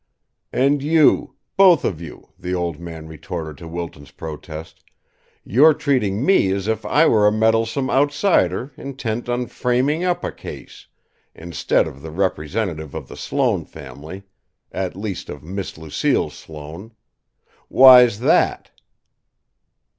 "And you, both of you," the old man retorted to Wilton's protest; "you're treating me as if I were a meddlesome outsider intent on 'framing up' a case, instead of the representative of the Sloane family at least, of Miss Lucille Sloane! Why's that?"